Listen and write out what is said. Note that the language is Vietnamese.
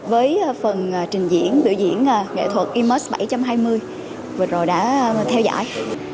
với phần biểu diễn nghệ thuật imax bảy trăm hai mươi vừa rồi đã theo dõi